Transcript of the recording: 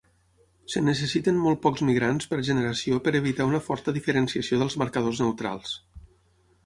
Es necessiten molt pocs migrants per generació per evitar una forta diferenciació dels marcadors neutrals.